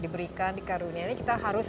diberikan di karunia ini kita harus